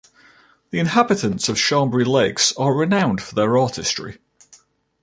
The inhabitants of the Chambri Lakes are renowned for their artistry.